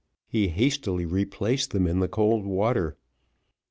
he hastily replaced them in the cold water.